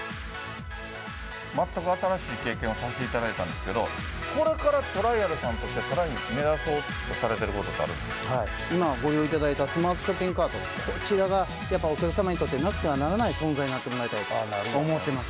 全く新しい経験、させていただいたんですけど、これからトライアルさんとして、さらに目指そうとされていることってあるんで今、ご利用いただいたスマートショッピングカート、こちらがやっぱ、お客様にとってなくてはならない存在になってもらいたいと思ってます。